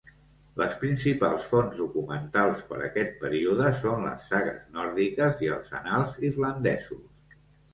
Les principals fonts documentals per aquest període són les sagues nòrdiques i els annals irlandesos.